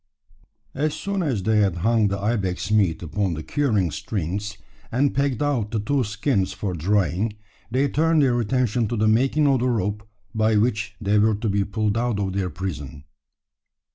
As soon as they had hung the ibex meat upon the curing strings, and pegged out the two skins for drying, they turned their attention to the making of the rope by which they were to be pulled out of their prison.